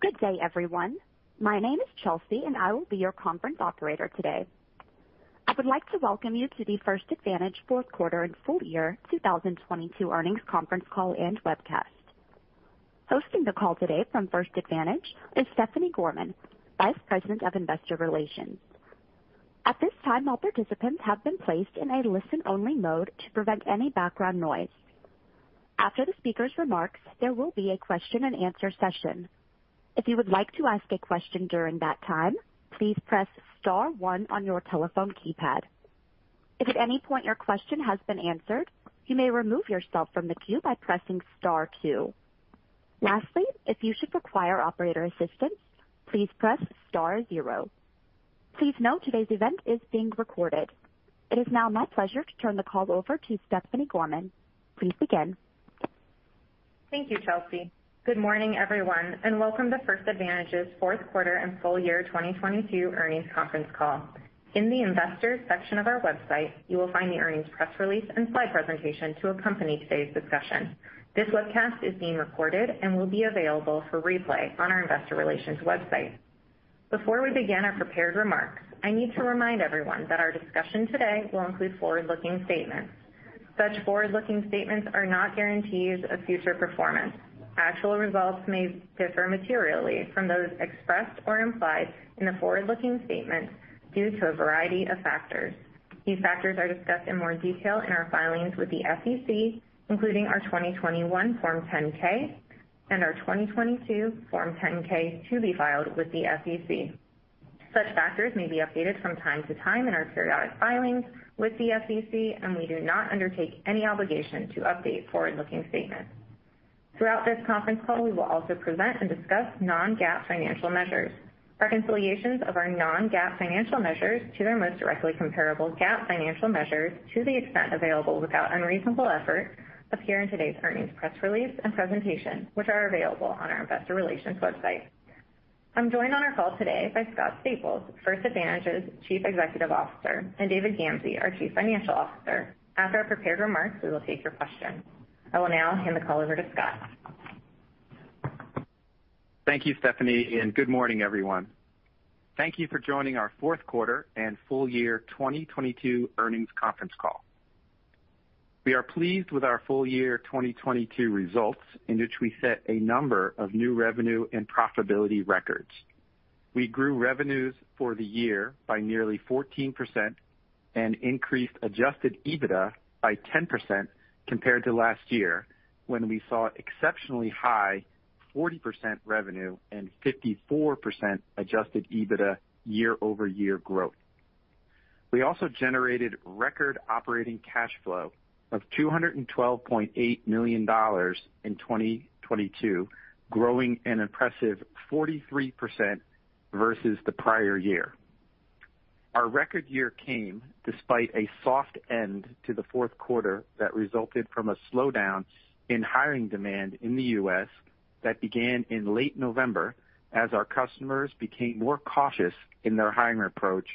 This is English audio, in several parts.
Good day, everyone. My name is Chelsea, and I will be your conference operator today. I would like to welcome you to the First Advantage fourth quarter and full year 2022 earnings conference call and webcast. Hosting the call today from First Advantage is Stephanie Gorman, Vice President of Investor Relations. At this time, all participants have been placed in a listen-only mode to prevent any background noise. After the speaker's remarks, there will be a question-and-answer session. If you would like to ask a question during that time, please press star one on your telephone keypad. If at any point your question has been answered, you may remove yourself from the queue by pressing star two. Lastly, if you should require operator assistance, please press star zero. Please note today's event is being recorded. It is now my pleasure to turn the call over to Stephanie Gorman. Please begin. Thank you, Chelsea. Good morning, everyone, and welcome to First Advantage's fourth quarter and full year 2022 earnings conference call. In the Investors section of our website, you will find the earnings press release and slide presentation to accompany today's discussion. This webcast is being recorded and will be available for replay on our investor relations website. Before we begin our prepared remarks, I need to remind everyone that our discussion today will include forward-looking statements. Such forward-looking statements are not guarantees of future performance. Actual results may differ materially from those expressed or implied in the forward-looking statements due to a variety of factors. These factors are discussed in more detail in our filings with the SEC, including our 2021 Form 10-K and our 2022 Form 10-K to be filed with the SEC. Such factors may be updated from time to time in our periodic filings with the SEC, and we do not undertake any obligation to update forward-looking statements. Throughout this conference call, we will also present and discuss non-GAAP financial measures. Reconciliations of our non-GAAP financial measures to their most directly comparable GAAP financial measures, to the extent available without unreasonable effort, appear in today's earnings press release and presentation, which are available on our investor relations website. I'm joined on our call today by Scott Staples, First Advantage's Chief Executive Officer, and David Gamsey, our Chief Financial Officer. After our prepared remarks, we will take your questions. I will now hand the call over to Scott. Thank you, Stephanie. Good morning, everyone. Thank you for joining our fourth quarter and full year 2022 earnings conference call. We are pleased with our full year 2022 results, in which we set a number of new revenue and profitability records. We grew revenues for the year by nearly 14% and increased adjusted EBITDA by 10% compared to last year, when we saw exceptionally high 40% revenue and 54% adjusted EBITDA year-over-year growth. We also generated record operating cash flow of $212.8 million in 2022, growing an impressive 43% versus the prior year. Our record year came despite a soft end to the fourth quarter that resulted from a slowdown in hiring demand in the U.S. that began in late November as our customers became more cautious in their hiring approach,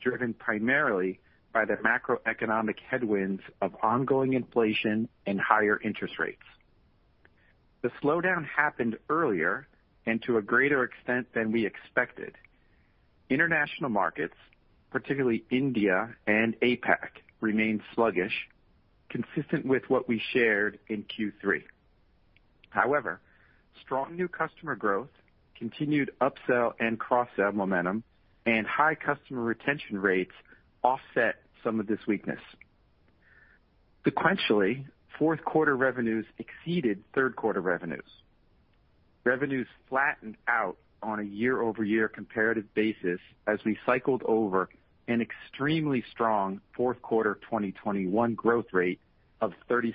driven primarily by the macroeconomic headwinds of ongoing inflation and higher interest rates. The slowdown happened earlier and to a greater extent than we expected. International markets, particularly India and APAC, remained sluggish, consistent with what we shared in Q3. Strong new customer growth, continued upsell and cross-sell momentum, and high customer retention rates offset some of this weakness. Sequentially, fourth quarter revenues exceeded third quarter revenues. Revenues flattened out on a year-over-year comparative basis as we cycled over an extremely strong fourth quarter 2021 growth rate of 36%.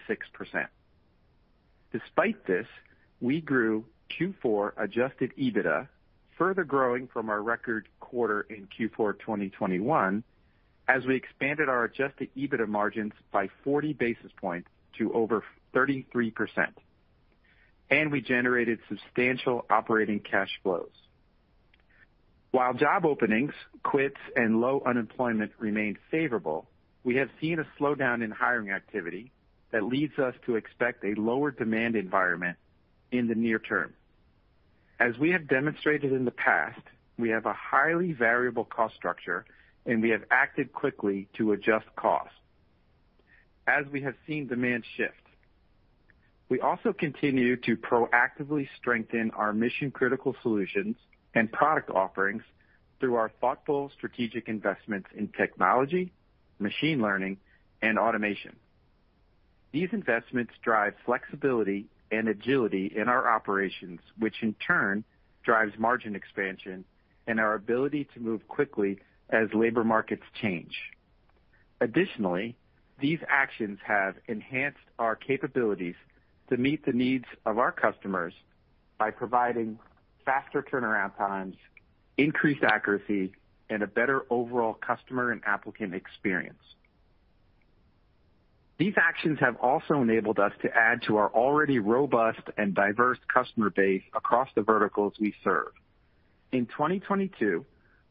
Despite this, we grew Q4 adjusted EBITDA, further growing from our record quarter in Q4 2021, as we expanded our adjusted EBITDA margins by 40 basis points to over 33%. We generated substantial operating cash flows. While job openings, quits, and low unemployment remained favorable, we have seen a slowdown in hiring activity that leads us to expect a lower demand environment in the near term. As we have demonstrated in the past, we have a highly variable cost structure, and we have acted quickly to adjust costs as we have seen demand shift. We also continue to proactively strengthen our mission-critical solutions and product offerings through our thoughtful strategic investments in technology, machine learning, and automation. These investments drive flexibility and agility in our operations, which in turn drives margin expansion and our ability to move quickly as labor markets change. Additionally, these actions have enhanced our capabilities to meet the needs of our customers by providing faster turnaround times, increased accuracy, and a better overall customer and applicant experience. These actions have also enabled us to add to our already robust and diverse customer base across the verticals we serve. In 2022,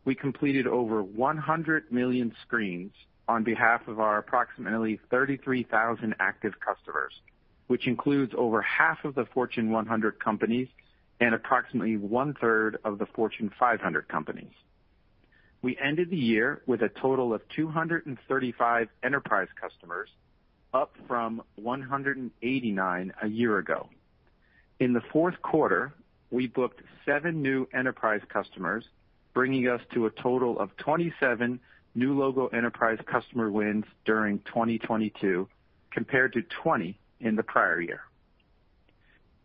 we completed over 100 million screens on behalf of our approximately 33,000 active customers, which includes over half of the Fortune 100 companies and approximately 1/3 of the Fortune 500 companies. We ended the year with a total of 235 enterprise customers, up from 189 a year ago. In the fourth quarter, we booked seven new enterprise customers, bringing us to a total of 27 new logo enterprise customer wins during 2022 compared to 20 in the prior year.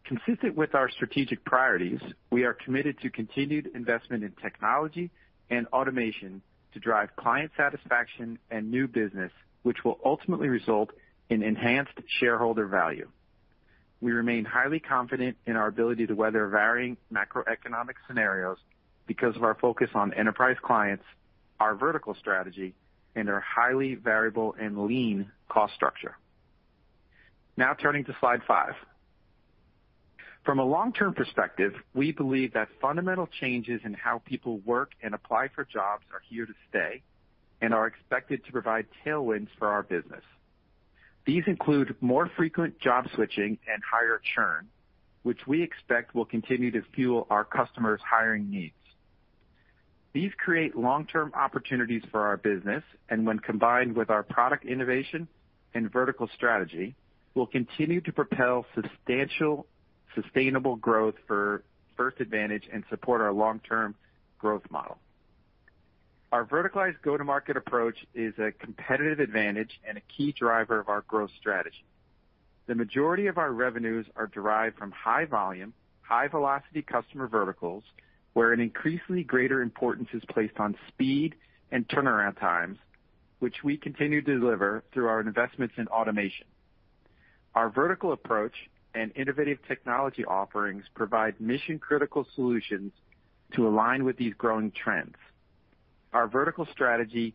Consistent with our strategic priorities, we are committed to continued investment in technology and automation to drive client satisfaction and new business, which will ultimately result in enhanced shareholder value. We remain highly confident in our ability to weather varying macroeconomic scenarios because of our focus on enterprise clients, our vertical strategy, and our highly variable and lean cost structure. Now turning to slide 5. From a long-term perspective, we believe that fundamental changes in how people work and apply for jobs are here to stay and are expected to provide tailwinds for our business. These include more frequent job switching and higher churn, which we expect will continue to fuel our customers' hiring needs. These create long-term opportunities for our business, and when combined with our product innovation and vertical strategy, will continue to propel substantial sustainable growth for First Advantage and support our long-term growth model. Our verticalized go-to-market approach is a competitive advantage and a key driver of our growth strategy. The majority of our revenues are derived from high volume, high velocity customer verticals, where an increasingly greater importance is placed on speed and turnaround times, which we continue to deliver through our investments in automation. Our vertical approach and innovative technology offerings provide mission-critical solutions to align with these growing trends. Our vertical strategy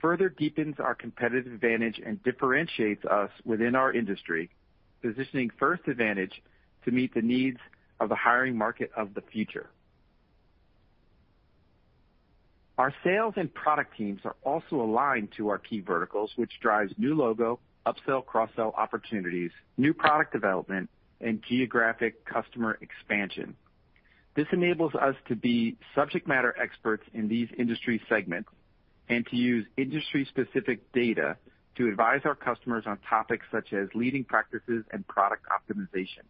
further deepens our competitive advantage and differentiates us within our industry, positioning First Advantage to meet the needs of the hiring market of the future. Our sales and product teams are also aligned to our key verticals, which drives new logo, upsell, cross-sell opportunities, new product development, and geographic customer expansion. This enables us to be subject matter experts in these industry segments and to use industry-specific data to advise our customers on topics such as leading practices and product optimization.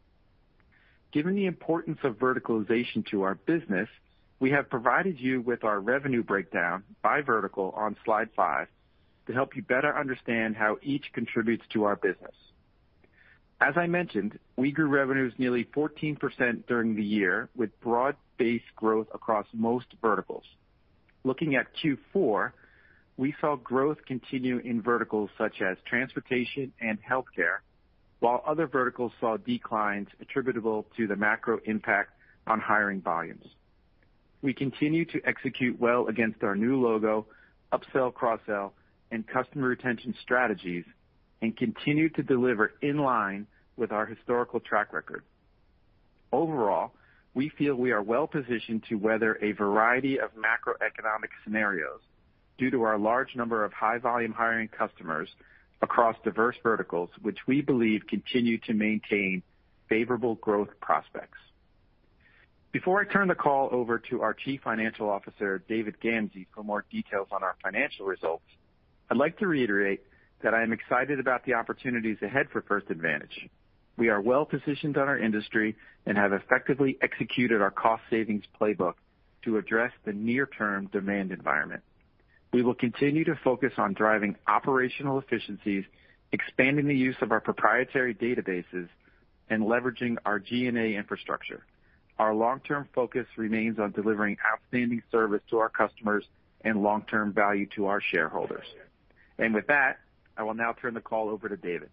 Given the importance of verticalization to our business, we have provided you with our revenue breakdown by vertical on slide five to help you better understand how each contributes to our business. As I mentioned, we grew revenues nearly 14% during the year, with broad-based growth across most verticals. Looking at Q4, we saw growth continue in verticals such as transportation and healthcare, while other verticals saw declines attributable to the macro impact on hiring volumes. We continue to execute well against our new logo, upsell, cross-sell, and customer retention strategies, and continue to deliver in line with our historical track record. Overall, we feel we are well-positioned to weather a variety of macroeconomic scenarios due to our large number of high volume hiring customers across diverse verticals, which we believe continue to maintain favorable growth prospects. Before I turn the call over to our Chief Financial Officer, David Gamsey, for more details on our financial results, I'd like to reiterate that I am excited about the opportunities ahead for First Advantage. We are well-positioned on our industry and have effectively executed our cost savings playbook to address the near-term demand environment. We will continue to focus on driving operational efficiencies, expanding the use of our proprietary databases, and leveraging our G&A infrastructure. Our long-term focus remains on delivering outstanding service to our customers and long-term value to our shareholders. With that, I will now turn the call over to David.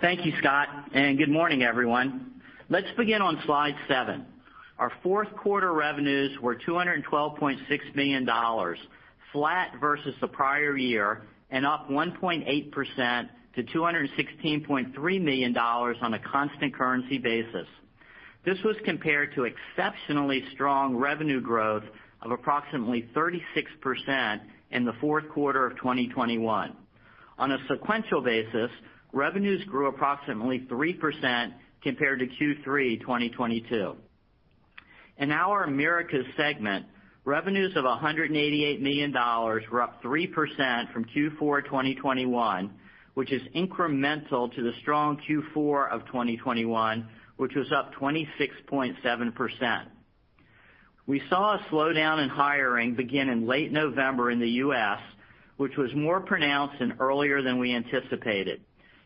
Thank you, Scott. Good morning, everyone. Let's begin on slide seven. Our fourth quarter revenues were $212.6 million, flat versus the prior year, and up 1.8% to $216.3 million on a constant currency basis. This was compared to exceptionally strong revenue growth of approximately 36% in the fourth quarter of 2021. On a sequential basis, revenues grew approximately 3% compared to Q3 2022. In our Americas segment, revenues of $188 million were up 3% from Q4 2021, which is incremental to the strong Q4 of 2021, which was up 26.7%. We saw a slowdown in hiring begin in late November in the U.S., which was more pronounced and earlier than we anticipated.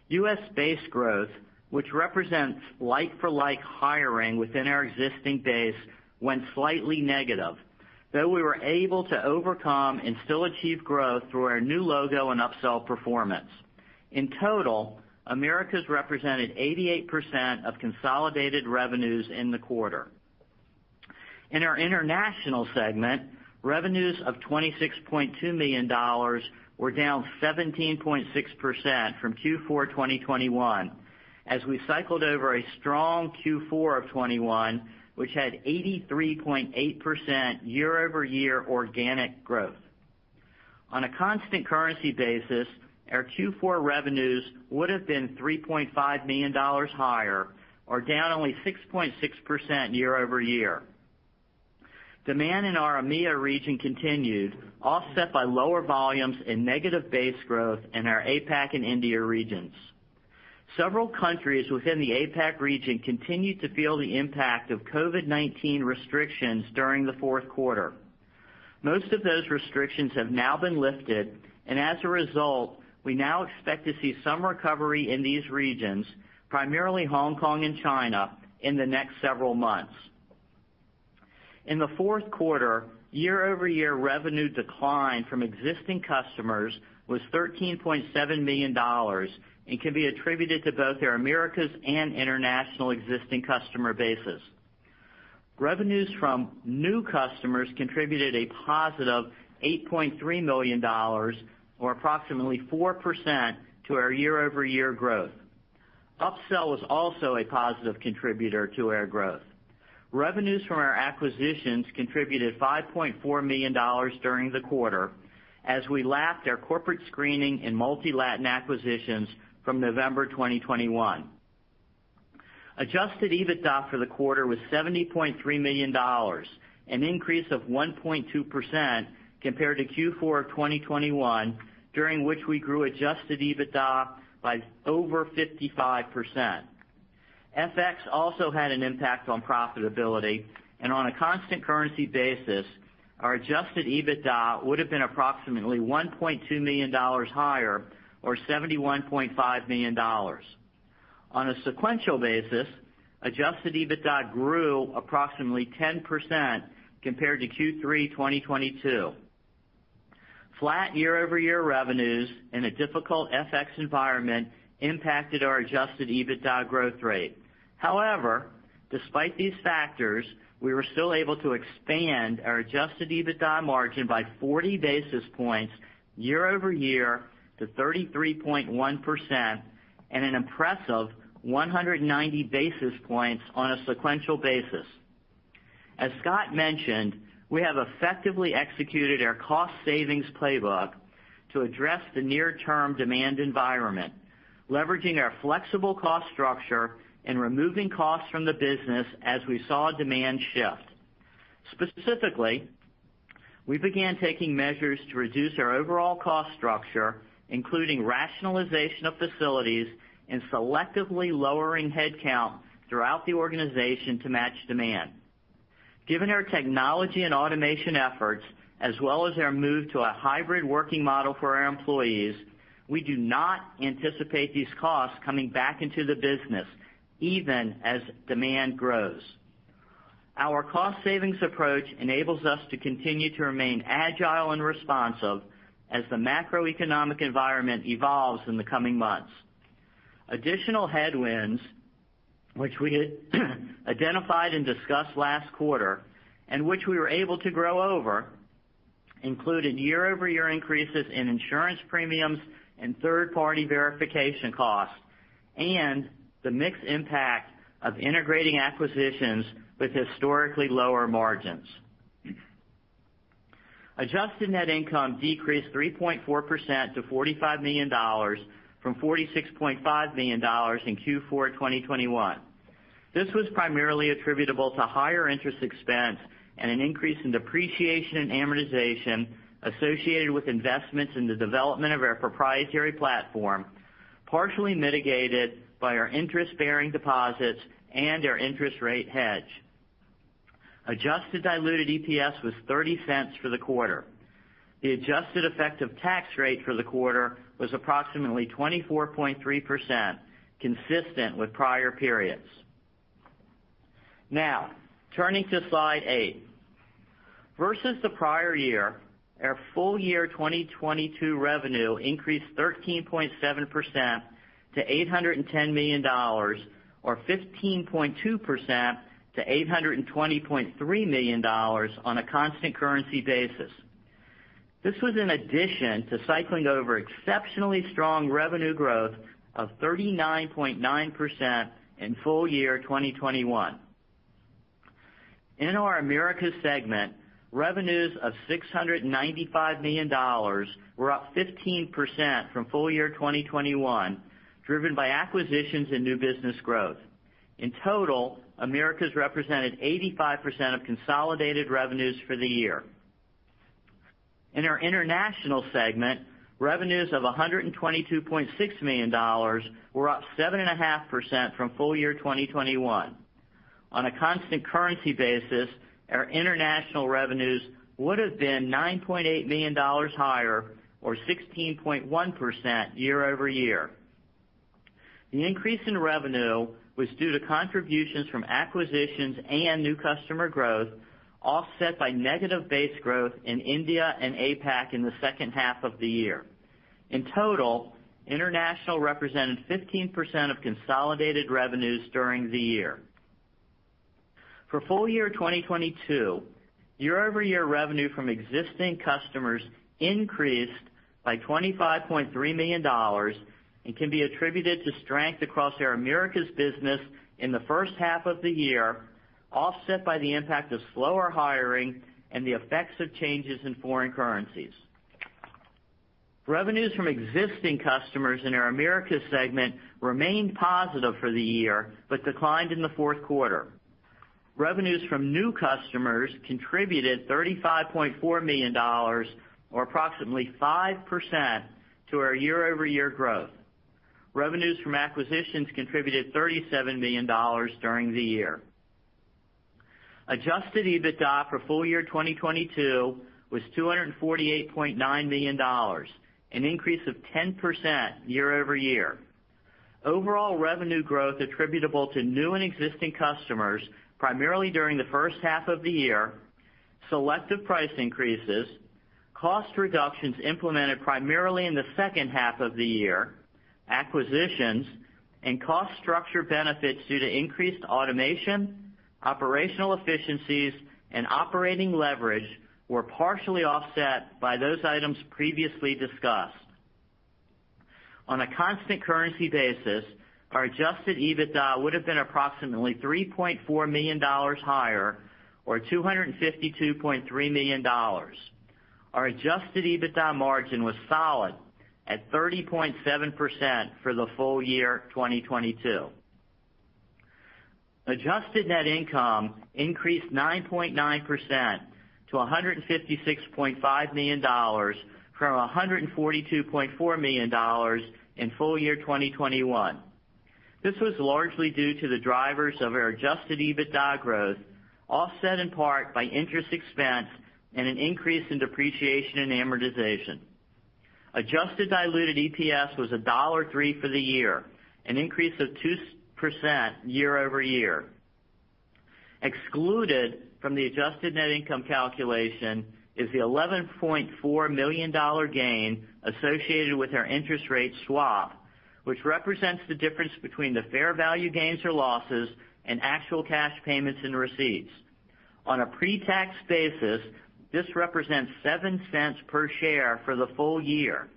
U.S.-based growth, which represents like-for-like hiring within our existing base, went slightly negative, though we were able to overcome and still achieve growth through our new logo and upsell performance. In total, Americas represented 88% of consolidated revenues in the quarter. In our international segment, revenues of $26.2 million were down 17.6% from Q4 2021 as we cycled over a strong Q4 of 2021, which had 83.8% year-over-year organic growth. On a constant currency basis, our Q4 revenues would have been $3.5 million higher, or down only 6.6% year-over-year. Demand in our EMEA region continued, offset by lower volumes and negative base growth in our APAC and India regions. Several countries within the APAC region continued to feel the impact of COVID-19 restrictions during the fourth quarter. Most of those restrictions have now been lifted. As a result, we now expect to see some recovery in these regions, primarily Hong Kong and China, in the next several months. In the fourth quarter, year-over-year revenue decline from existing customers was $13.7 million and can be attributed to both our Americas and international existing customer bases. Revenues from new customers contributed a positive $8.3 million or approximately 4% to our year-over-year growth. Upsell was also a positive contributor to our growth. Revenues from our acquisitions contributed $5.4 million during the quarter as we lapped our Corporate Screening and MultiLatin acquisitions from November 2021. adjusted EBITDA for the quarter was $70.3 million, an increase of 1.2% compared to Q4 of 2021, during which we grew adjusted EBITDA by over 55%. FX also had an impact on profitability, and on a constant currency basis, our adjusted EBITDA would have been approximately $1.2 million higher or $71.5 million. On a sequential basis, adjusted EBITDA grew approximately 10% compared to Q3 2022. Flat year-over-year revenues in a difficult FX environment impacted our adjusted EBITDA growth rate. However, despite these factors, we were still able to expand our adjusted EBITDA margin by 40 basis points year-over-year to 33.1% and an impressive 190 basis points on a sequential basis. As Scott mentioned, we have effectively executed our cost savings playbook to address the near-term demand environment, leveraging our flexible cost structure and removing costs from the business as we saw demand shift. Specifically, we began taking measures to reduce our overall cost structure, including rationalization of facilities and selectively lowering headcount throughout the organization to match demand. Given our technology and automation efforts, as well as our move to a hybrid working model for our employees, we do not anticipate these costs coming back into the business even as demand grows. Our cost savings approach enables us to continue to remain agile and responsive as the macroeconomic environment evolves in the coming months. Additional headwinds, which we had identified and discussed last quarter and which we were able to grow over, included year-over-year increases in insurance premiums and third-party verification costs and the mixed impact of integrating acquisitions with historically lower margins. Adjusted net income decreased 3.4% to $45 million from $46.5 million in Q4 2021. This was primarily attributable to higher interest expense and an increase in depreciation and amortization associated with investments in the development of our proprietary platform, partially mitigated by our interest-bearing deposits and our interest rate hedge. Adjusted Diluted EPS was $0.30 for the quarter. The adjusted effective tax rate for the quarter was approximately 24.3%, consistent with prior periods. Turning to slide eight. Versus the prior year, our full year 2022 revenue increased 13.7% to $810 million or 15.2% to $820.3 million on a constant currency basis. This was in addition to cycling over exceptionally strong revenue growth of 39.9% in full year 2021. In our Americas segment, revenues of $695 million were up 15% from full year 2021, driven by acquisitions and new business growth. In total, Americas represented 85% of consolidated revenues for the year. In our international segment, revenues of $122.6 million were up 7.5% from full year 2021. On a constant currency basis, our international revenues would have been $9.8 million higher or 16.1% year-over-year. The increase in revenue was due to contributions from acquisitions and new customer growth, offset by negative base growth in India and APAC in the second half of the year. In total, international represented 15% of consolidated revenues during the year. For full year 2022, year-over-year revenue from existing customers increased by $25.3 million, and can be attributed to strength across our Americas business in the first half of the year, offset by the impact of slower hiring and the effects of changes in foreign currencies. Revenues from existing customers in our Americas segment remained positive for the year, but declined in the fourth quarter. Revenues from new customers contributed $35.4 million, or approximately 5% to our year-over-year growth. Revenues from acquisitions contributed $37 million during the year. Adjusted EBITDA for full year 2022 was $248.9 million, an increase of 10% year-over-year. Overall revenue growth attributable to new and existing customers, primarily during the first half of the year, selective price increases, cost reductions implemented primarily in the second half of the year, acquisitions, and cost structure benefits due to increased automation, operational efficiencies, and operating leverage were partially offset by those items previously discussed. On a constant currency basis, our adjusted EBITDA would have been approximately $3.4 million higher or $252.3 million. Our adjusted EBITDA margin was solid at 30.7% for the full year 2022. Adjusted Net Income increased 9.9% to $156.5 million from $142.4 million in full year 2021. This was largely due to the drivers of our adjusted EBITDA growth, offset in part by interest expense and an increase in depreciation and amortization. Adjusted Diluted EPS was $1.03 for the year, an increase of 2% year-over-year. Excluded from the Adjusted Net Income calculation is the $11.4 million gain associated with our interest rate swap, which represents the difference between the fair value gains or losses and actual cash payments and receipts. On a pre-tax basis, this represents $0.07 per share for the full year.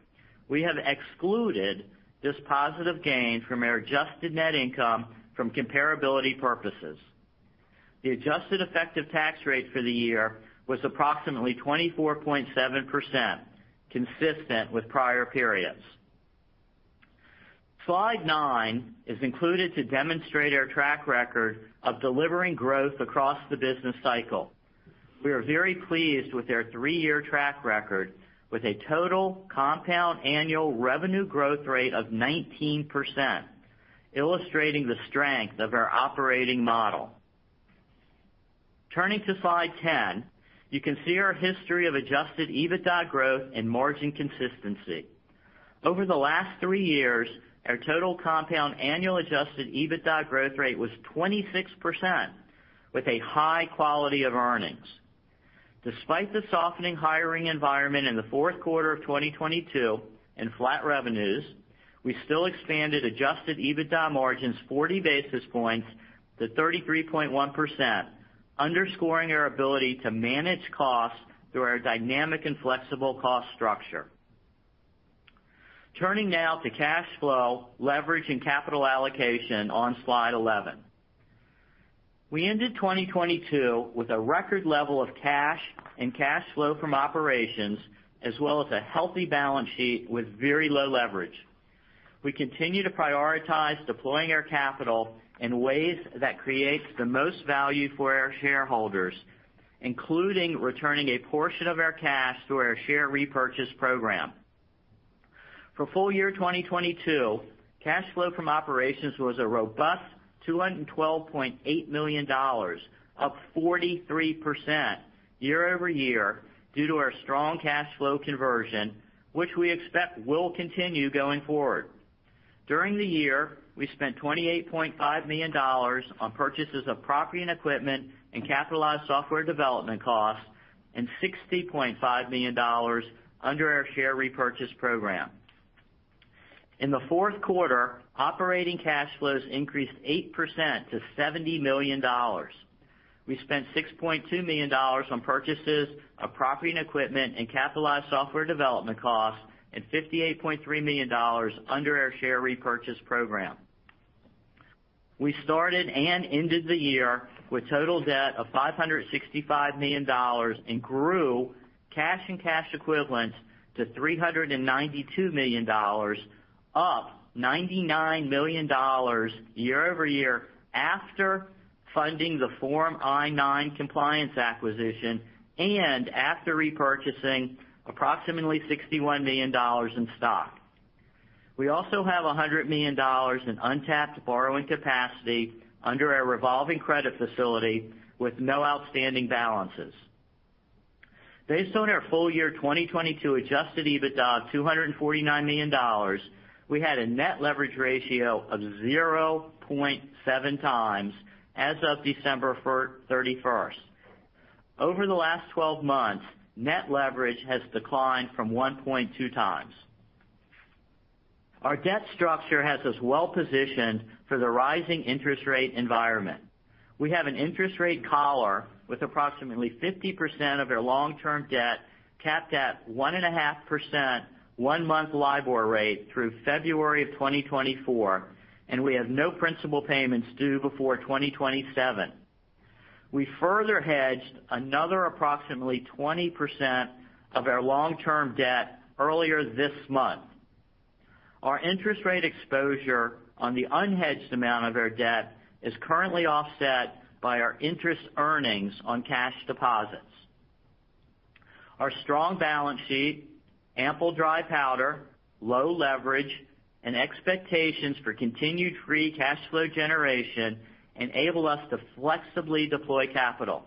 We have excluded this positive gain from our Adjusted Net Income from comparability purposes. The adjusted effective tax rate for the year was approximately 24.7%, consistent with prior periods. Slide nine is included to demonstrate our track record of delivering growth across the business cycle. We are very pleased with our three-year track record with a total compound annual revenue growth rate of 19%, illustrating the strength of our operating model. Turning to slide 10, you can see our history of adjusted EBITDA growth and margin consistency. Over the last three years, our total compound annual adjusted EBITDA growth rate was 26%, with a high quality of earnings. Despite the softening hiring environment in the fourth quarter of 2022 and flat revenues, we still expanded adjusted EBITDA margins 40 basis points to 33.1%, underscoring our ability to manage costs through our dynamic and flexible cost structure. Turning now to cash flow, leverage, and capital allocation on slide 11. We ended 2022 with a record level of cash and cash flow from operations, as well as a healthy balance sheet with very low leverage. We continue to prioritize deploying our capital in ways that creates the most value for our shareholders, including returning a portion of our cash to our share repurchase program. For full year 2022, cash flow from operations was a robust $212.8 million, up 43% year-over-year due to our strong cash flow conversion, which we expect will continue going forward. During the year, we spent $28.5 million on purchases of property and equipment and capitalized software development costs, and $60.5 million under our share repurchase program. In the fourth quarter, operating cash flows increased 8% to $70 million. We spent $6.2 million on purchases of property and equipment and capitalized software development costs, and $58.3 million under our share repurchase program. We started and ended the year with total debt of $565 million and grew cash and cash equivalents to $392 million, up $99 million year-over-year after funding the Form I-9 Compliance acquisition and after repurchasing approximately $61 million in stock. We also have $100 million in untapped borrowing capacity under our revolving credit facility with no outstanding balances. Based on our full year 2022 adjusted EBITDA of $249 million, we had a net leverage ratio of 0.7x as of December 31st. Over the last twelve months, net leverage has declined from 1.2x. Our debt structure has us well positioned for the rising interest rate environment. We have an interest rate collar with approximately 50% of their long-term debt capped at 1.5% one-month LIBOR rate through February 2024, and we have no principal payments due before 2027. We further hedged another approximately 20% of our long-term debt earlier this month. Our interest rate exposure on the unhedged amount of our debt is currently offset by our interest earnings on cash deposits. Our strong balance sheet, ample dry powder, low leverage, and expectations for continued free cash flow generation enable us to flexibly deploy capital.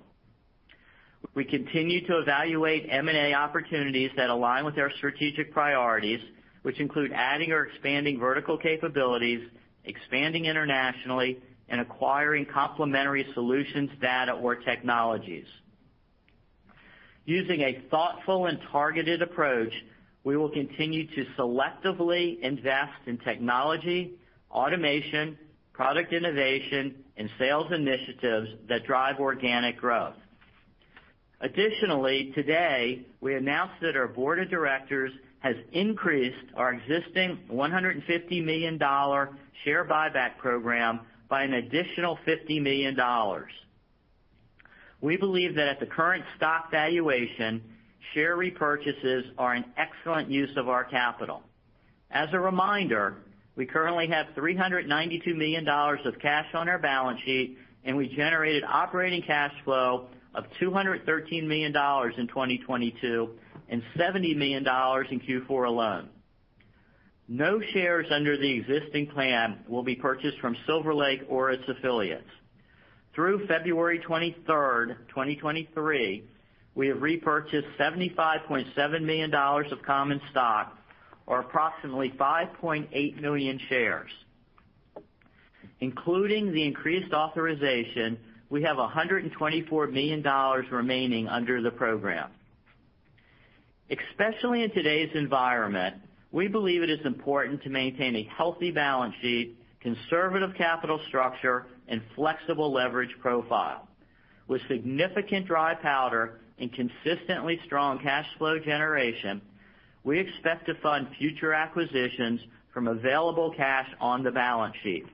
We continue to evaluate M&A opportunities that align with our strategic priorities, which include adding or expanding vertical capabilities, expanding internationally, and acquiring complementary solutions, data, or technologies. Using a thoughtful and targeted approach, we will continue to selectively invest in technology, automation, product innovation, and sales initiatives that drive organic growth. Additionally, today, we announced that our board of directors has increased our existing $150 million share buyback program by an additional $50 million. We believe that at the current stock valuation, share repurchases are an excellent use of our capital. As a reminder, we currently have $392 million of cash on our balance sheet, and we generated operating cash flow of $213 million in 2022, and $70 million in Q4 alone. No shares under the existing plan will be purchased from Silver Lake or its affiliates. Through February 23rd, 2023, we have repurchased $75.7 million of common stock or approximately 5.8 million shares. Including the increased authorization, we have $124 million remaining under the program. Especially in today's environment, we believe it is important to maintain a healthy balance sheet, conservative capital structure, and flexible leverage profile. With significant dry powder and consistently strong cash flow generation, we expect to fund future acquisitions from available cash on the balance sheet.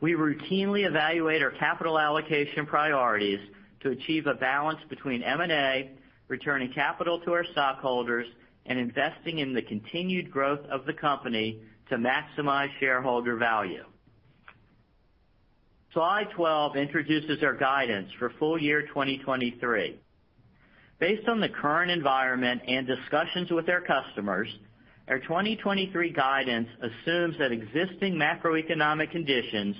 We routinely evaluate our capital allocation priorities to achieve a balance between M&A, returning capital to our stockholders, and investing in the continued growth of the company to maximize shareholder value. Slide 12 introduces our guidance for full year 2023. Based on the current environment and discussions with their customers, our 2023 guidance assumes that existing macroeconomic conditions,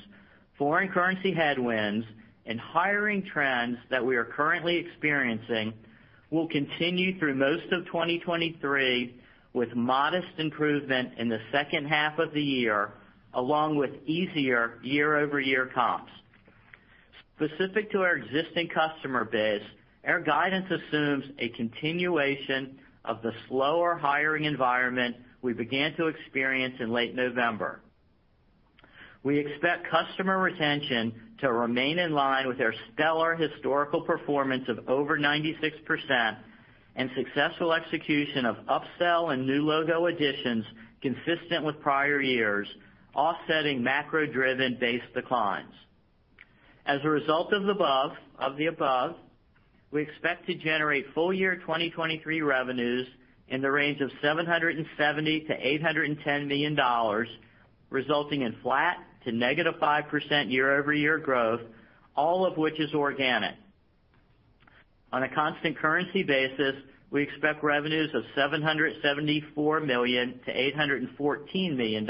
foreign currency headwinds, and hiring trends that we are currently experiencing will continue through most of 2023 with modest improvement in the second half of the year, along with easier year-over-year comps. Specific to our existing customer base, our guidance assumes a continuation of the slower hiring environment we began to experience in late November. We expect customer retention to remain in line with our stellar historical performance of over 96% and successful execution of upsell and new logo additions consistent with prior years, offsetting macro-driven base declines. As a result of the above, we expect to generate full-year 2023 revenues in the range of $770 million-$810 million, resulting in flat to negative 5% year-over-year growth, all of which is organic. On a constant currency basis, we expect revenues of $774 million-$814 million,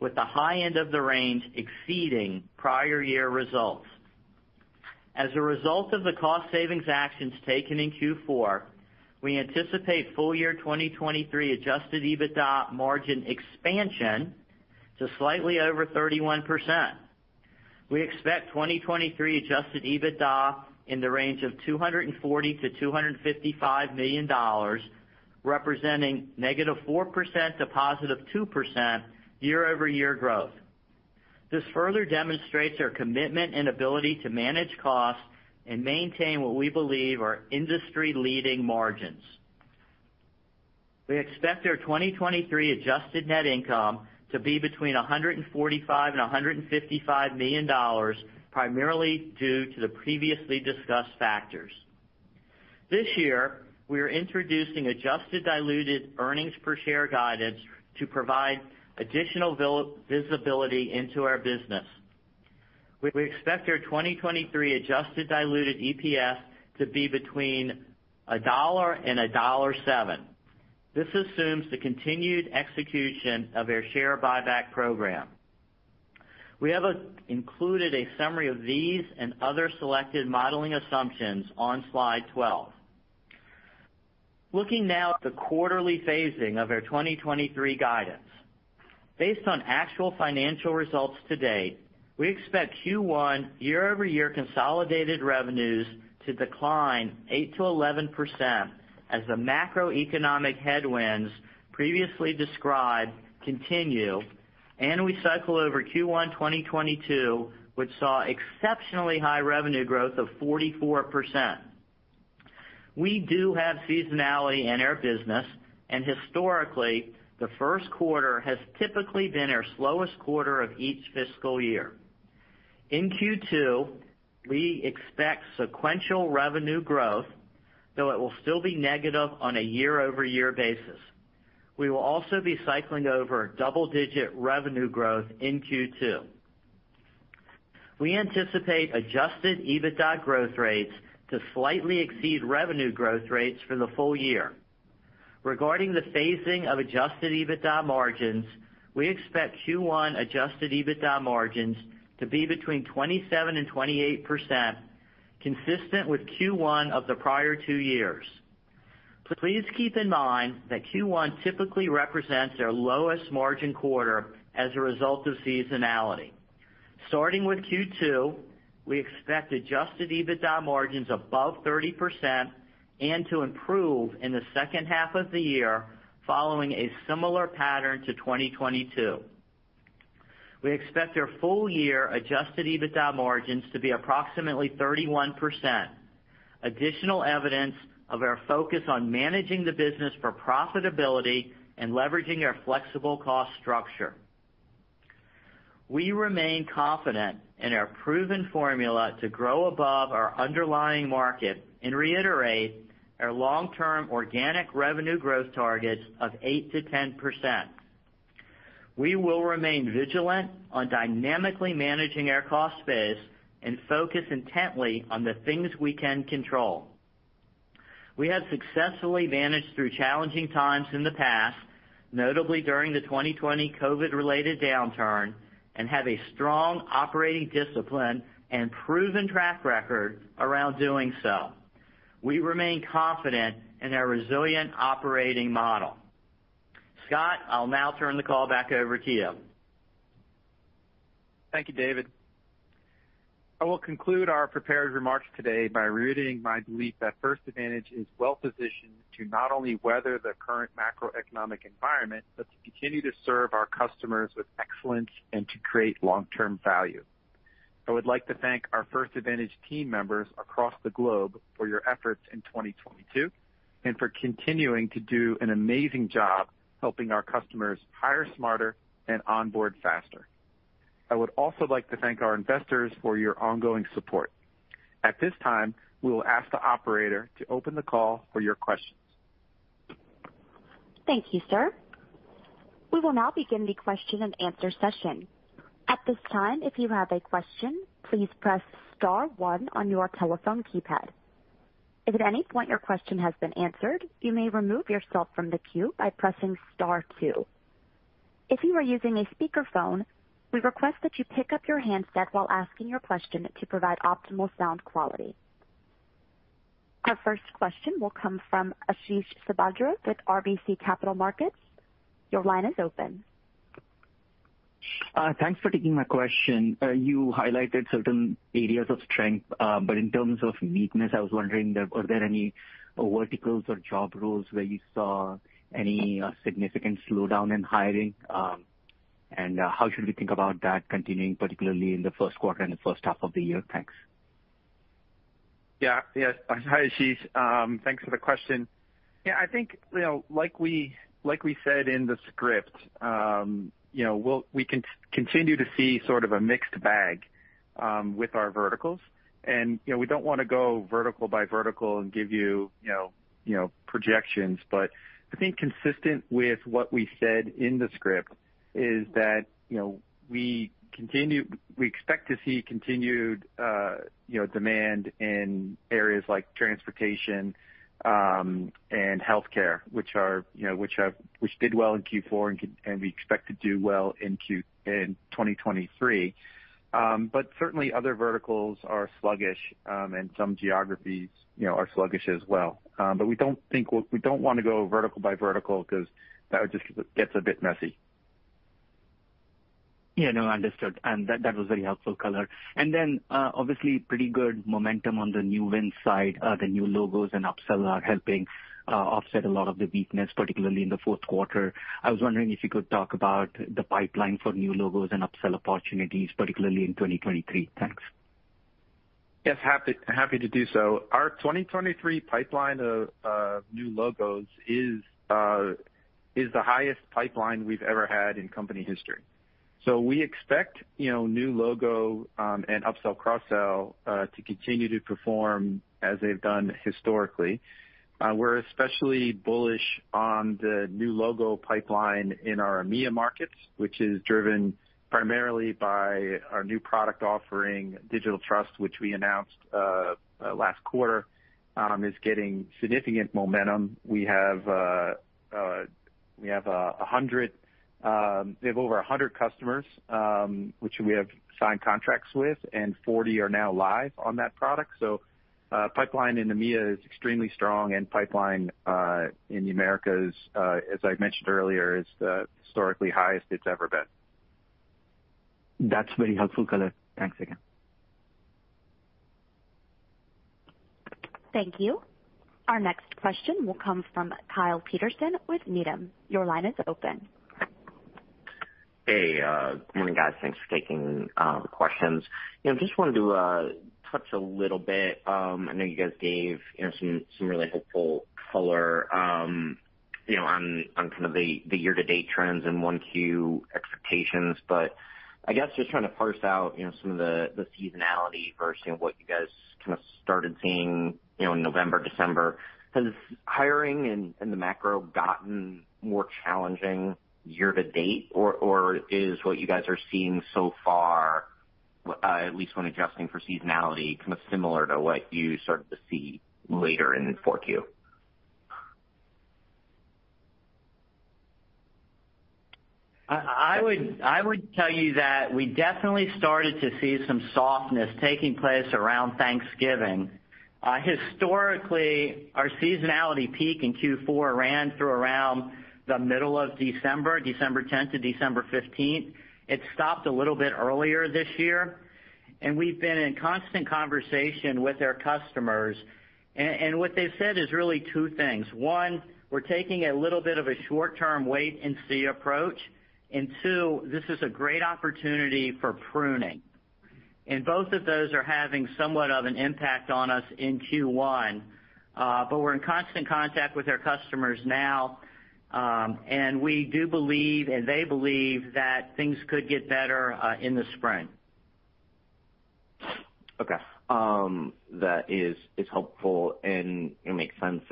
with the high end of the range exceeding prior year results. As a result of the cost savings actions taken in Q4, we anticipate full-year 2023 adjusted EBITDA margin expansion to slightly over 31%. We expect 2023 adjusted EBITDA in the range of $240 million-$255 million, representing -4% to +2% year-over-year growth. This further demonstrates our commitment and ability to manage costs and maintain what we believe are industry-leading margins. We expect our 2023 Adjusted Net Income to be between $145 million and $155 million, primarily due to the previously discussed factors. This year, we are introducing Adjusted Diluted Earnings Per Share guidance to provide additional visibility into our business. We expect our 2023 Adjusted Diluted EPS to be between $1.00 and $1.07. This assumes the continued execution of our share buyback program. We have included a summary of these and other selected modeling assumptions on slide 12. Looking now at the quarterly phasing of our 2023 guidance. Based on actual financial results to date, we expect Q1 year-over-year consolidated revenues to decline 8%-11% as the macroeconomic headwinds previously described continue, and we cycle over Q1 2022, which saw exceptionally high revenue growth of 44%. We do have seasonality in our business, and historically, the first quarter has typically been our slowest quarter of each fiscal year. In Q2, we expect sequential revenue growth, though it will still be negative on a year-over-year basis. We will also be cycling over double-digit revenue growth in Q2. We anticipate adjusted EBITDA growth rates to slightly exceed revenue growth rates for the full year. Regarding the phasing of adjusted EBITDA margins, we expect Q1 adjusted EBITDA margins to be between 27%-28%, consistent with Q1 of the prior two years. Please keep in mind that Q1 typically represents our lowest margin quarter as a result of seasonality. Starting with Q2, we expect adjusted EBITDA margins above 30% and to improve in the second half of the year following a similar pattern to 2022. We expect our full-year adjusted EBITDA margins to be approximately 31%, additional evidence of our focus on managing the business for profitability and leveraging our flexible cost structure. We remain confident in our proven formula to grow above our underlying market and reiterate our long-term organic revenue growth targets of 8%-10%. We will remain vigilant on dynamically managing our cost base and focus intently on the things we can control. We have successfully managed through challenging times in the past, notably during the 2020 COVID-related downturn, and have a strong operating discipline and proven track record around doing so. We remain confident in our resilient operating model. Scott, I'll now turn the call back over to you. Thank you, David. I will conclude our prepared remarks today by reiterating my belief that First Advantage is well-positioned to not only weather the current macroeconomic environment, but to continue to serve our customers with excellence and to create long-term value. I would like to thank our First Advantage team members across the globe for your efforts in 2022 and for continuing to do an amazing job helping our customers hire smarter and onboard faster. I would also like to thank our investors for your ongoing support. At this time, we will ask the operator to open the call for your questions. Thank you, sir. We will now begin the question-and-answer session. At this time, if you have a question, please press star one on your telephone keypad. If at any point your question has been answered, you may remove yourself from the queue by pressing star two. If you are using a speakerphone, we request that you pick up your handset while asking your question to provide optimal sound quality. Our first question will come from Ashish Sabadra with RBC Capital Markets. Your line is open. Thanks for taking my question. You highlighted certain areas of strength, but in terms of weakness, I was wondering there, are there any verticals or job roles where you saw any significant slowdown in hiring? How should we think about that continuing, particularly in the first quarter and the first half of the year? Thanks. Yeah. Yes. Hi, Ashish. Thanks for the question. Yeah, I think, you know, like we said in the script, you know, we continue to see sort of a mixed bag with our verticals. You know, we don't wanna go vertical by vertical and give you know, projections. I think consistent with what we said in the script is that, you know, we expect to see continued, you know, demand in areas like transportation and healthcare, which are, you know, which did well in Q4 and we expect to do well in 2023. Certainly other verticals are sluggish, and some geographies, you know, are sluggish as well. We don't think we don't wanna go vertical by vertical 'cause that would just gets a bit messy. Yeah. No, understood. That, that was very helpful color. Then, obviously pretty good momentum on the new win side. The new logos and upsell are helping offset a lot of the weakness, particularly in the fourth quarter. I was wondering if you could talk about the pipeline for new logos and upsell opportunities, particularly in 2023. Thanks. Yes. Happy to do so. Our 2023 pipeline of new logos is the highest pipeline we've ever had in company history. We expect, you know, new logo, and upsell, cross-sell, to continue to perform as they've done historically. We're especially bullish on the new logo pipeline in our EMEA markets, which is driven primarily by our new product offering, Digital Trust, which we announced last quarter, is getting significant momentum. We have over 100 customers, which we have signed contracts with, and 40 are now live on that product. Pipeline in EMEA is extremely strong, and pipeline in the Americas, as I mentioned earlier, is the historically highest it's ever been. That's very helpful color. Thanks again. Thank you. Our next question will come from Kyle Peterson with Needham. Your line is open. Hey, good morning, guys. Thanks for taking questions. You know, just wanted to touch a little bit, I know you guys gave, you know, some really helpful color, you know, on kind of the year-to-date trends and 1Q expectations. I guess just trying to parse out, you know, some of the seasonality versus, you know, what you guys kind of started seeing, you know, in November, December. Has hiring and the macro gotten more challenging year to date? Is what you guys are seeing so far, at least when adjusting for seasonality, kind of similar to what you started to see later in the 4Q? I would tell you that we definitely started to see some softness taking place around Thanksgiving. Historically, our seasonality peak in Q4 ran through around the middle of December 10th to December 15th. It stopped a little bit earlier this year. We've been in constant conversation with our customers. What they've said is really two things: one, we're taking a little bit of a short-term wait and see approach, and two, this is a great opportunity for pruning. Both of those are having somewhat of an impact on us in Q1. We're in constant contact with our customers now, we do believe, and they believe that things could get better, in the spring. Okay. That is helpful and, you know, makes sense.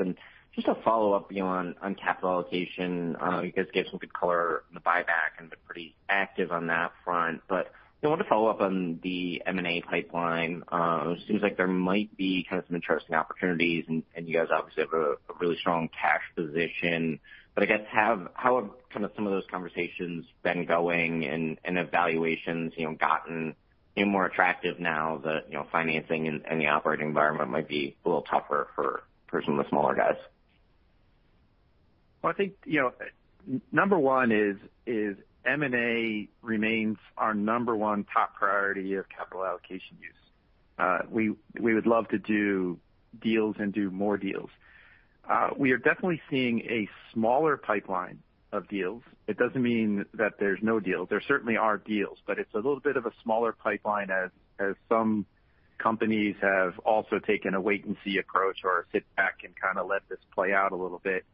Just a follow-up, you know, on capital allocation. You guys gave some good color on the buyback and been pretty active on that front. You know, want to follow up on the M&A pipeline. It seems like there might be kind of some interesting opportunities and you guys obviously have a really strong cash position. I guess, how have kind of some of those conversations been going and have valuations, you know, gotten any more attractive now that, you know, financing and the operating environment might be a little tougher for some of the smaller guys? Well, I think, you know, number one is M&A remains our number one top priority of capital allocation use. We would love to do deals and do more deals. We are definitely seeing a smaller pipeline of deals. It doesn't mean that there's no deals. There certainly are deals. It's a little bit of a smaller pipeline as some companies have also taken a wait and see approach or a sit back and kind of let this play out a little bit.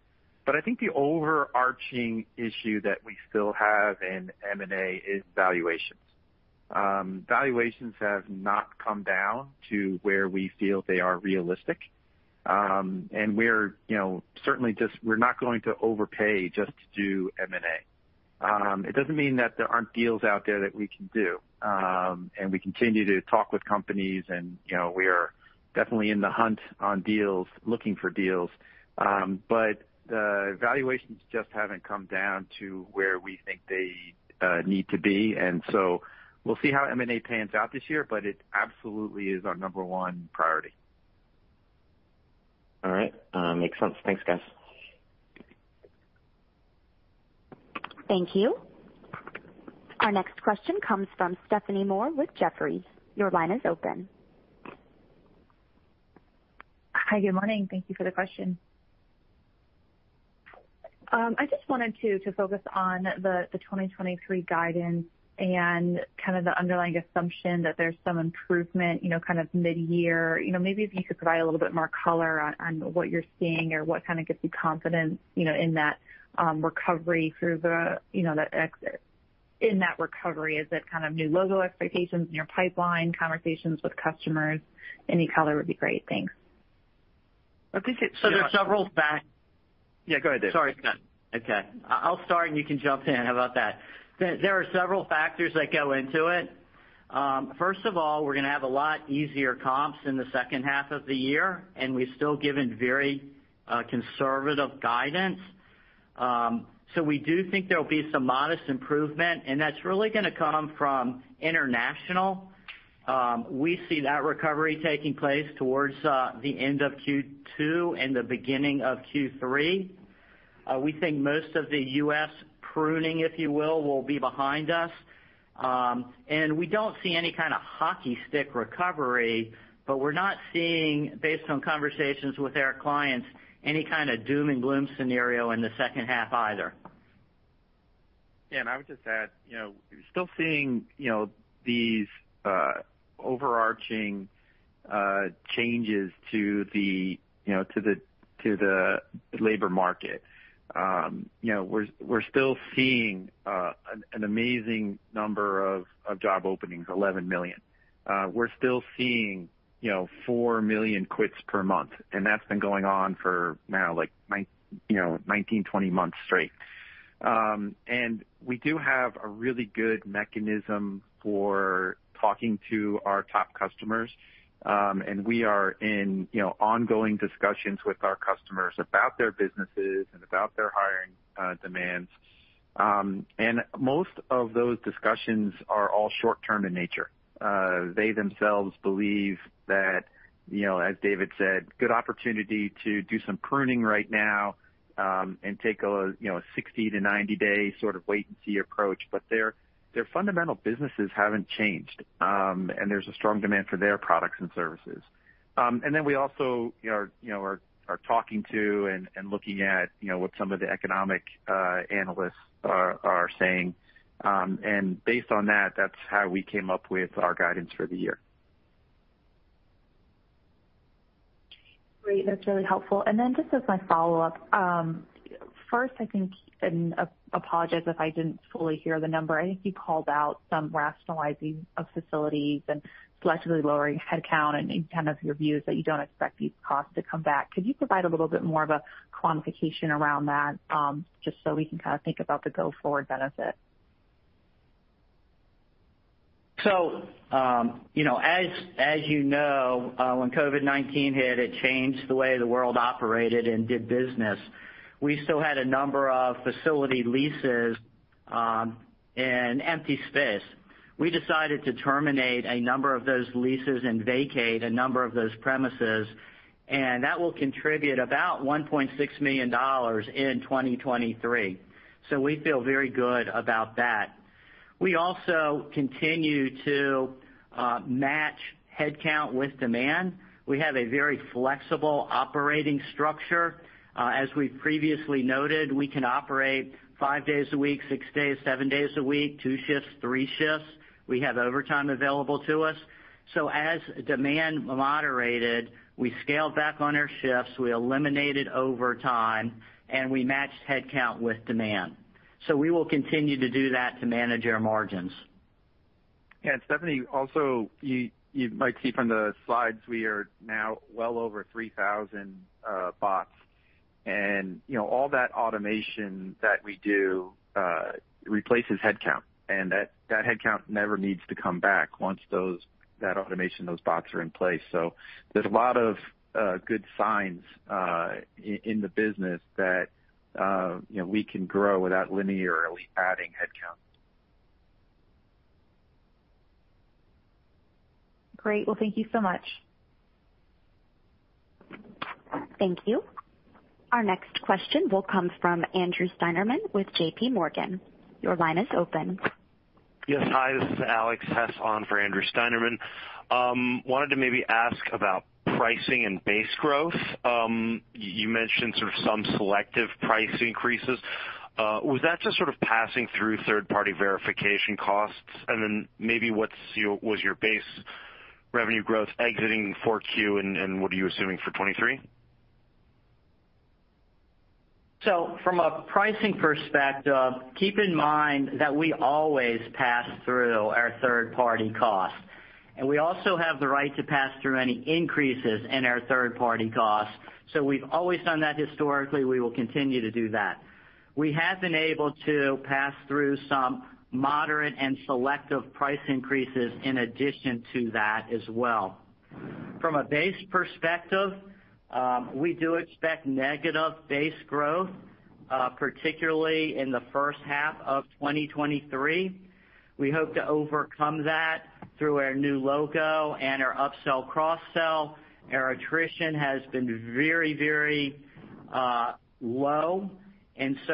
I think the overarching issue that we still have in M&A is valuations. Valuations have not come down to where we feel they are realistic. We're, you know, certainly we're not going to overpay just to do M&A. It doesn't mean that there aren't deals out there that we can do. We continue to talk with companies and, you know, we are definitely in the hunt on deals, looking for deals. The valuations just haven't come down to where we think they need to be. We'll see how M&A pans out this year, but it absolutely is our number one priority. All right. makes sense. Thanks, guys. Thank you. Our next question comes from Stephanie Moore with Jefferies. Your line is open. Hi. Good morning. Thank you for the question. I just wanted to focus on the 2023 guidance and kind of the underlying assumption that there's some improvement, you know, kind of mid-year. You know, maybe if you could provide a little bit more color on what you're seeing or what kind of gives you confidence, you know, in that recovery. Is it kind of new logo expectations in your pipeline, conversations with customers? Any color would be great. Thanks. I think it's-. There are several. Yeah, go ahead, David. Sorry. Okay. I'll start and you can jump in. How about that? There are several factors that go into it. First of all, we're gonna have a lot easier comps in the second half of the year, and we've still given very conservative guidance. We do think there'll be some modest improvement, and that's really gonna come from international. We see that recovery taking place towards the end of Q2 and the beginning of Q3. We think most of the U.S. pruning, if you will be behind us. We don't see any kind of hockey stick recovery, but we're not seeing, based on conversations with our clients, any kind of doom and gloom scenario in the second half either. Yeah. I would just add, you know, we're still seeing, you know, these overarching changes to the, you know, to the, to the labor market. You know, we're still seeing an amazing number of job openings, 11 million. We're still seeing, you know, 4 million quits per month, and that's been going on for now, like, you know, 19, 20 months straight. We do have a really good mechanism for talking to our top customers. We are in, you know, ongoing discussions with our customers about their businesses and about their hiring demands. Most of those discussions are all short-term in nature. They themselves believe that, as David said, good opportunity to do some pruning right now, and take a 60 to 90 day sort of wait and see approach. Their fundamental businesses haven't changed, and there's a strong demand for their products and services. Then we also are talking to and looking at what some of the economic analysts are saying. Based on that's how we came up with our guidance for the year. Great. That's really helpful. Just as my follow-up, first, I think, apologize if I didn't fully hear the number. I think you called out some rationalizing of facilities and selectively lowering headcount, kind of your view is that you don't expect these costs to come back. Could you provide a little bit more of a quantification around that, just so we can kind of think about the go-forward benefit? You know, as you know, when COVID-19 hit, it changed the way the world operated and did business. We still had a number of facility leases and empty space. We decided to terminate a number of those leases and vacate a number of those premises, and that will contribute about $1.6 million in 2023. We feel very good about that. We also continue to match headcount with demand. We have a very flexible operating structure. As we previously noted, we can operate five days a week, six days, seven days a week, two shifts, three shifts. We have overtime available to us. As demand moderated, we scaled back on our shifts, we eliminated overtime, and we matched headcount with demand. We will continue to do that to manage our margins. Stephanie, also, you might see from the slides, we are now well over 3,000 bots. You know, all that automation that we do replaces headcount, and that headcount never needs to come back once that automation, those bots are in place. There's a lot of good signs in the business that, you know, we can grow without linearly adding headcount. Great. Well, thank you so much. Thank you. Our next question will come from Andrew Steinerman with JPMorgan. Your line is open. Yes. Hi, this is Alex Hess on for Andrew Steinerman. Wanted to maybe ask about pricing and base growth. You mentioned sort of some selective price increases. Was that just sort of passing through third-party verification costs? Maybe what was your base revenue growth exiting 4Q, and what are you assuming for 2023? From a pricing perspective, keep in mind that we always pass through our third-party costs, and we also have the right to pass through any increases in our third-party costs. We've always done that historically. We will continue to do that. We have been able to pass through some moderate and selective price increases in addition to that as well. From a base perspective, we do expect negative base growth, particularly in the first half of 2023. We hope to overcome that through our new logo and our upsell, cross-sell. Our attrition has been very, very low,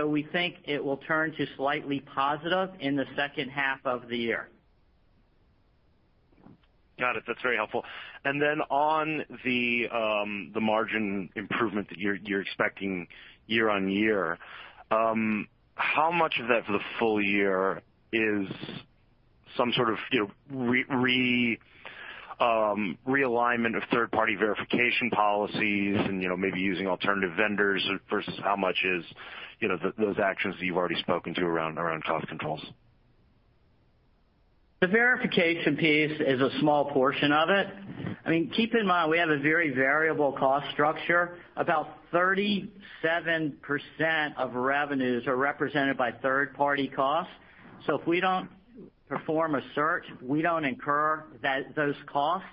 we think it will turn to slightly positive in the second half of the year. Got it. That's very helpful. Then on the margin improvement that you're expecting year-over-year, how much of that for the full year is some sort of, you know, realignment of third-party verification policies and, you know, maybe using alternative vendors versus how much is, you know, those actions that you've already spoken to around cost controls? The verification piece is a small portion of it. I mean, keep in mind we have a very variable cost structure. About 37% of revenues are represented by third-party costs. If we don't perform a search, we don't incur those costs.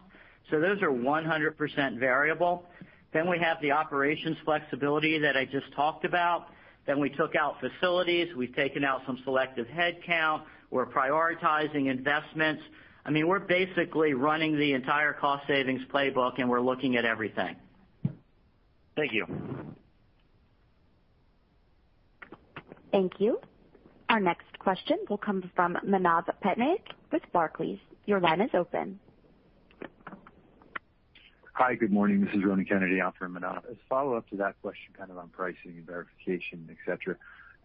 Those are 100% variable. We have the operations flexibility that I just talked about. We took out facilities. We've taken out some selective headcount. We're prioritizing investments. I mean, we're basically running the entire cost savings playbook, and we're looking at everything. Thank you. Thank you. Our next question will come from Manav Patnaik with Barclays. Your line is open. Hi. Good morning. This is Ronan Kennedy on for Manav. As a follow-up to that question, kind of on pricing and verification, et cetera.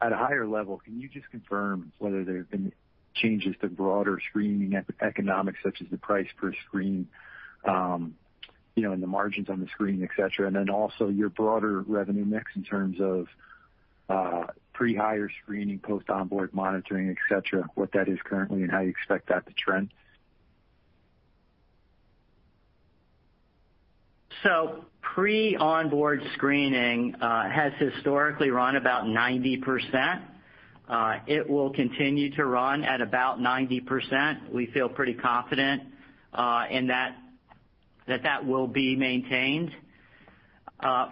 At a higher level, can you just confirm whether there have been changes to broader screening e-economics, such as the price per screen, you know, and the margins on the screen, et cetera? Then also your broader revenue mix in terms of pre-hire screening, post-onboard monitoring, et cetera, what that is currently and how you expect that to trend. Pre-onboard screening has historically run about 90%. It will continue to run at about 90%. We feel pretty confident in that. That will be maintained.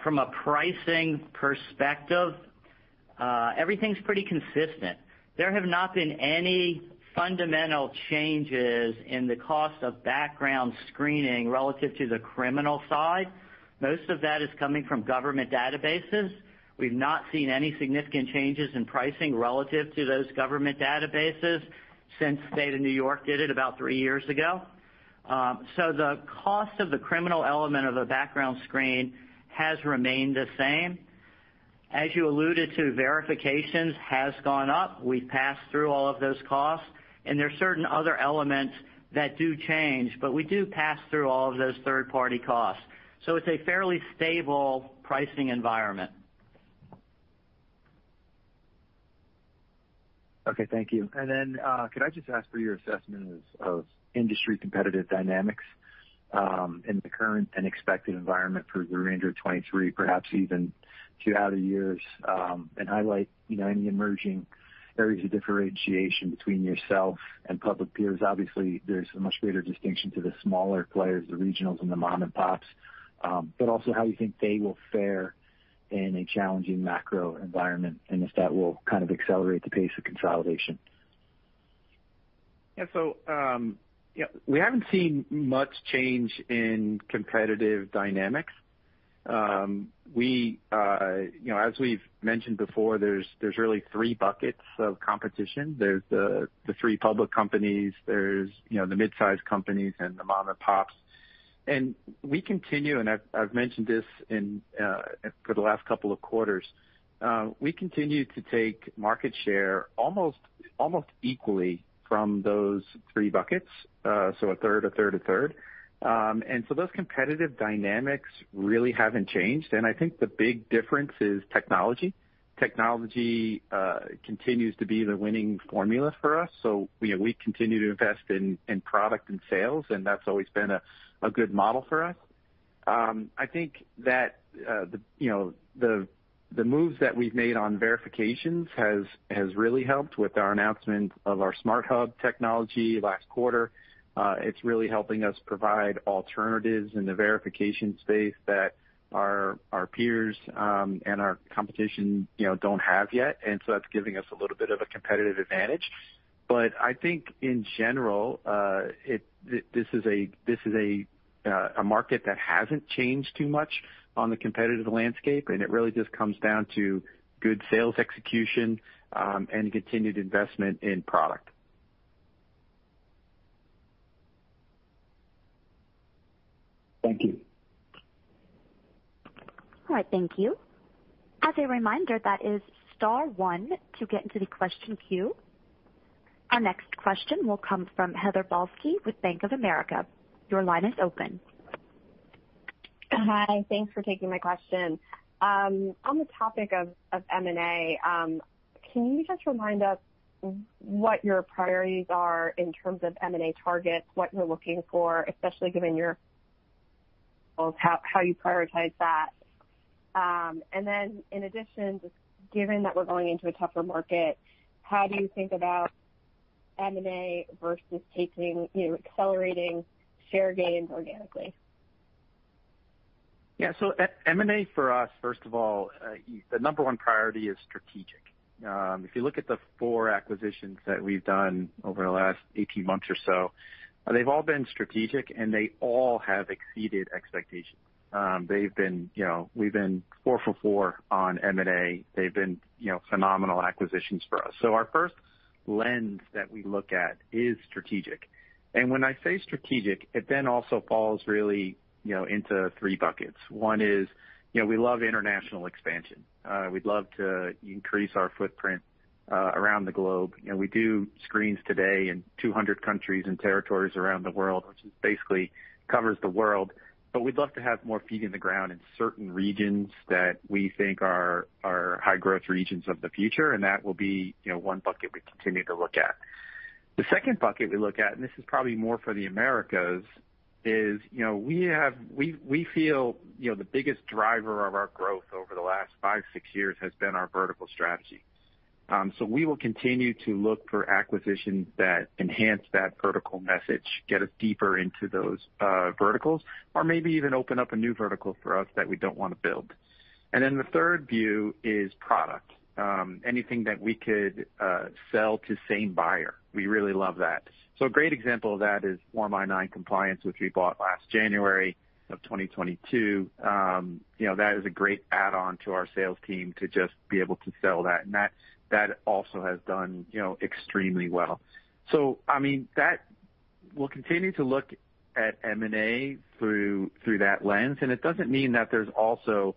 From a pricing perspective, everything's pretty consistent. There have not been any fundamental changes in the cost of background screening relative to the criminal side. Most of that is coming from government databases. We've not seen any significant changes in pricing relative to those government databases since State of New York did it about 3 years ago. The cost of the criminal element of a background screen has remained the same. As you alluded to, verifications has gone up. We've passed through all of those costs, and there are certain other elements that do change, but we do pass through all of those third-party costs. It's a fairly stable pricing environment. Okay, thank you. Could I just ask for your assessment of industry competitive dynamics in the current and expected environment for the remainder of 2023, perhaps even two outer years, and highlight, you know, any emerging areas of differentiation between yourself and public peers? Obviously, there's a much greater distinction to the smaller players, the regionals and the mom-and-pops, but also how you think they will fare in a challenging macro environment, and if that will kind of accelerate the pace of consolidation. Yeah. We haven't seen much change in competitive dynamics. We, you know, as we've mentioned before, there's really three buckets of competition. There's the three public companies, there's, you know, the mid-size companies and the mom-and-pops. We continue. I've mentioned this for the last couple of quarters. We continue to take market share almost equally from those three buckets. A 1/3, a 1/3, a 1/3. Those competitive dynamics really haven't changed. I think the big difference is technology. Technology continues to be the winning formula for us. We continue to invest in product and sales, and that's always been a good model for us. I think that, you know, the moves that we've made on verifications has really helped with our announcement of our Smart Hub technology last quarter. It's really helping us provide alternatives in the verification space that our peers, and our competition, you know, don't have yet. That's giving us a little bit of a competitive advantage. I think in general, this is a market that hasn't changed too much on the competitive landscape, and it really just comes down to good sales execution, and continued investment in product. Thank you. All right. Thank you. As a reminder, that is star one to get into the question queue. Our next question will come from Heather Balsky with Bank of America. Your line is open. Hi. Thanks for taking my question. On the topic of M&A, can you just remind us what your priorities are in terms of M&A targets, what you're looking for, especially given your How you prioritize that. In addition, just given that we're going into a tougher market, how do you think about M&A versus taking, you know, accelerating share gains organically? Yeah. M&A for us, first of all, the number one priority is strategic. If you look at the 4 acquisitions that we've done over the last 18 months or so, they've all been strategic, and they all have exceeded expectations. They've been, you know, we've been four for four on M&A. They've been, you know, phenomenal acquisitions for us. Our first lens that we look at is strategic. When I say strategic, it then also falls really, you know, into three buckets. 1 is, you know, we love international expansion. We'd love to increase our footprint around the globe. You know, we do screens today in 200 countries and territories around the world, which is basically covers the world. We'd love to have more feet in the ground in certain regions that we think are high growth regions of the future, and that will be, you know, one bucket we continue to look at. The second bucket we look at, this is probably more for the Americas, is, you know, we feel, you know, the biggest driver of our growth over the last five, six years has been our vertical strategy. We will continue to look for acquisitions that enhance that vertical message, get us deeper into those verticals, or maybe even open up a new vertical for us that we don't wanna build. The third view is product. Anything that we could sell to same buyer, we really love that. A great example of that is Form I-9 Compliance, which we bought last January of 2022. You know, that is a great add-on to our sales team to just be able to sell that. That also has done, you know, extremely well. I mean, we'll continue to look at M&A through that lens. It doesn't mean that there's also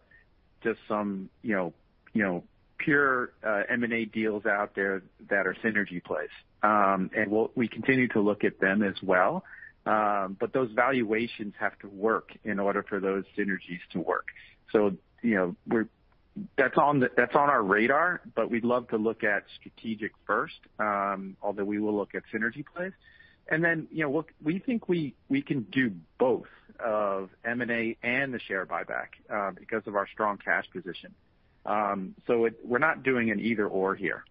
just some, you know, you know, pure M&A deals out there that are synergy plays. We continue to look at them as well. Those valuations have to work in order for those synergies to work. You know, that's on our radar. We'd love to look at strategic first, although we will look at synergy plays. You know, we think we can do both of M&A and the share buyback because of our strong cash position. We're not doing an either/or here.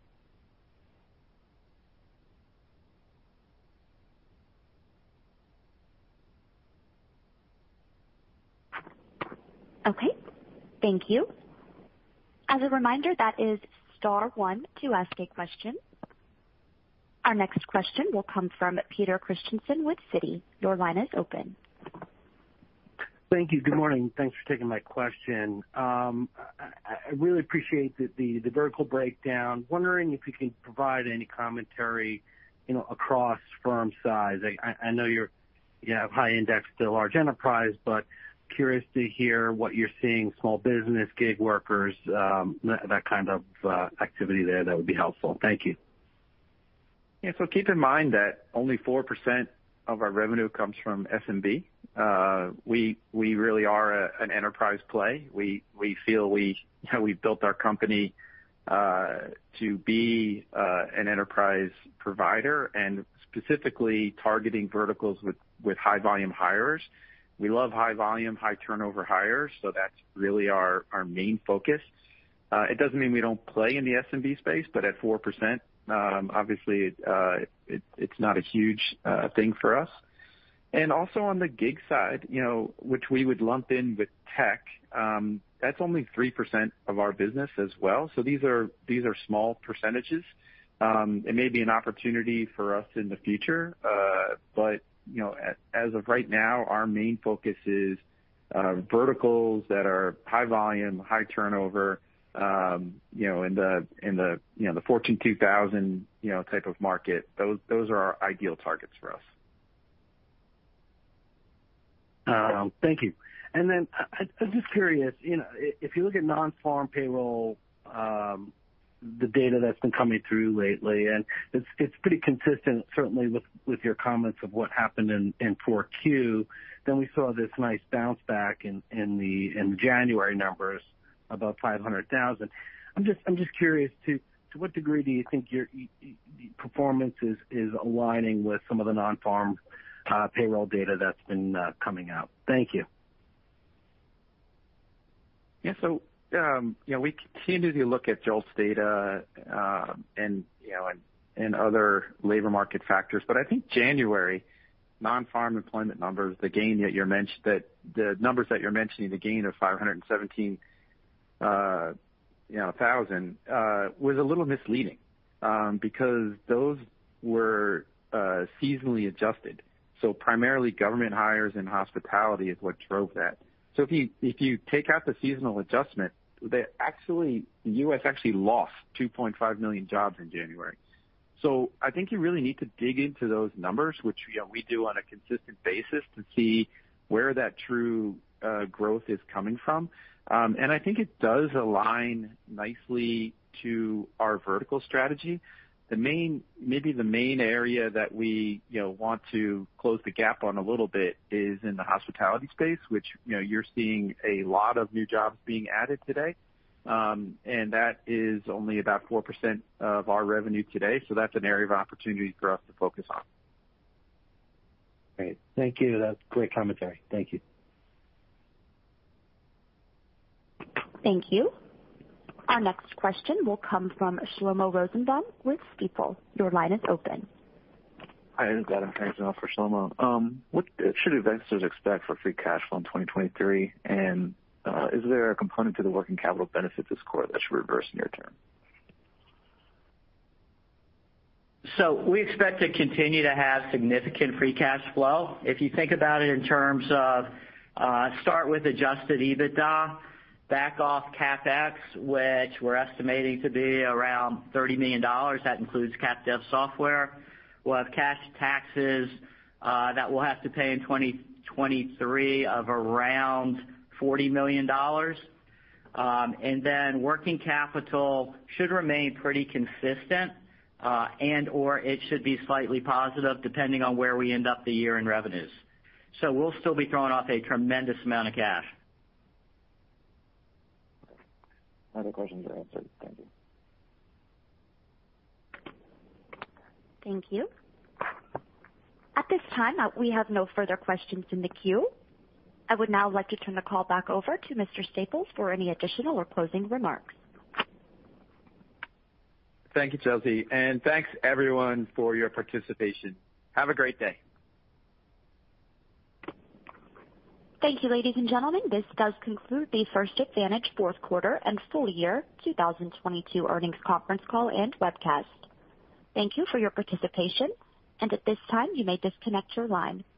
Okay. Thank you. As a reminder, that is star one to ask a question. Our next question will come from Peter Christiansen with Citi. Your line is open. Thank you. Good morning. Thanks for taking my question. I really appreciate the vertical breakdown. Wondering if you can provide any commentary, you know, across firm size. I know you have high index to large enterprise, but curious to hear what you're seeing, small business, gig workers, that kind of activity there, that would be helpful. Thank you. Yeah. Keep in mind that only 4% of our revenue comes from SMB. We really are a, an enterprise play. We feel we, you know, we've built our company to be an enterprise provider and specifically targeting verticals with high volume hires. We love high volume, high turnover hires, so that's really our main focus. It doesn't mean we don't play in the SMB space, but at 4%, obviously, it's not a huge thing for us. Also on the gig side, you know, which we would lump in with tech, that's only 3% of our business as well. These are small percentages. It may be an opportunity for us in the future, but, you know, as of right now, our main focus is verticals that are high volume, high turnover, you know, in the, in the, you know, the Fortune 2000, you know, type of market. Those are our ideal targets for us. Thank you. I'm just curious, you know, if you look at non-farm payroll, the data that's been coming through lately, and it's pretty consistent certainly with your comments of what happened in four Q. We saw this nice bounce back in the January numbers, about 500,000. I'm just curious to what degree do you think your performance is aligning with some of the non-farm payroll data that's been coming out? Thank you. Yeah. You know, we continue to look at JOLTS data, and, you know, and other labor market factors. I think January non-farm employment numbers, the gain that the numbers that you're mentioning, the gain of 517,000, was a little misleading, because those were seasonally adjusted, so primarily government hires and hospitality is what drove that. If you take out the seasonal adjustment, they actually the U.S. actually lost 2.5 million jobs in January. I think you really need to dig into those numbers, which, you know, we do on a consistent basis to see where that true, growth is coming from. I think it does align nicely to our vertical strategy. The main. Maybe the main area that we, you know, want to close the gap on a little bit is in the hospitality space, which, you know, you're seeing a lot of new jobs being added today. That is only about 4% of our revenue today. That's an area of opportunity for us to focus on. Great. Thank you. That's great commentary. Thank you. Thank you. Our next question will come from Shlomo Rosenbaum with Stifel. Your line is open. Hi, this is Adam hanging on for Shlomo. What should investors expect for free cash flow in 2023? Is there a component to the working capital benefit this quarter that should reverse near term? We expect to continue to have significant free cash flow. If you think about it in terms of, start with adjusted EBITDA, back off CapEx, which we're estimating to be around $30 million. That includes capitalized developed software. We'll have cash taxes, that we'll have to pay in 2023 of around $40 million. Working capital should remain pretty consistent, and/or it should be slightly positive depending on where we end up the year in revenues. We'll still be throwing off a tremendous amount of cash. My other questions are answered. Thank you. Thank you. At this time, we have no further questions in the queue. I would now like to turn the call back over to Mr. Staples for any additional or closing remarks. Thank you, Chelsea. Thanks, everyone, for your participation. Have a great day. Thank you, ladies and gentlemen. This does conclude the First Advantage fourth quarter and full year 2022 earnings conference call and webcast. Thank you for your participation, and at this time, you may disconnect your line. Have a.